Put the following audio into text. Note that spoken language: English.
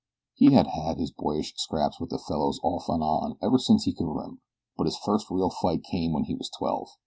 He had had his boyish scraps with his fellows off and on ever since he could remember; but his first real fight came when he was twelve.